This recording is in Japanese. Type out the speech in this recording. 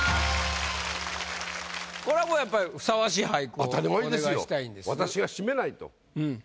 これはもうやっぱりふさわしい俳句をお願いしたいんです。